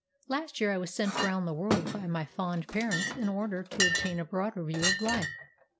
Last year I was sent round the world by my fond parents in order to obtain a broader view of life.